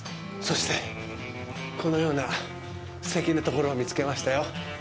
そして、このようなすてきなところを見つけましたよ。